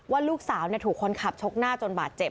ว่าลูกสาวถูกคนขับชกหน้าจนบาดเจ็บ